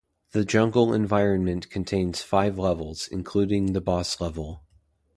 The jungle environment contains five levels including the boss level.